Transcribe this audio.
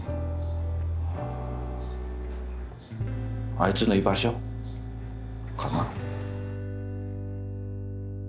あいつの居場所かな。